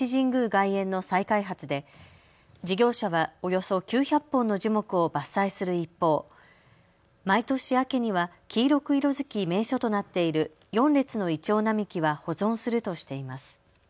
外苑の再開発で事業者はおよそ９００本の樹木を伐採する一方、毎年、秋には黄色く色づき名所となっている４列のイチョウ並木は保存するとしています。